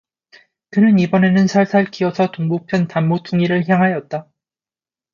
그는 이번에는 살살 기어서 동북편 담모퉁이를 향하였다.